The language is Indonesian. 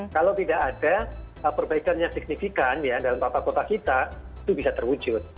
kalau tidak ada perbaikan yang signifikan ya dalam tata kota kita itu bisa terwujud